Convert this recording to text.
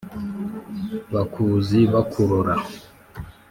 Bakuzi bakurora